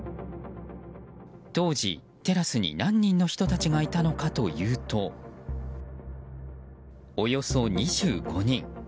当時、テラスに何人の人たちがいたのかというとおよそ２５人。